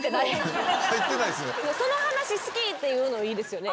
「その話好き！」っていうのいいですよね。